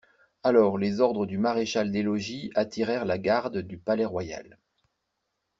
Alors les ordres du maréchal des logis attirèrent la garde du Palais-Royal.